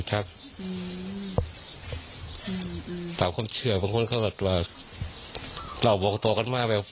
หลวงเราก็เดี๋ยวเราบอกต่วกันมากเลย